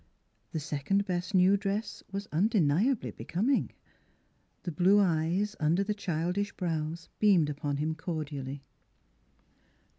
The second best new dress was undeniably be coming; the blue eyes under the childish brows beamed upon him cordially.